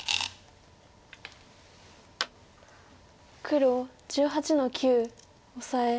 黒１８の九オサエ。